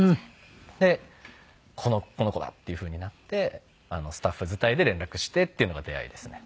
でこの子だっていうふうになってスタッフ伝いで連絡してっていうのが出会いですね。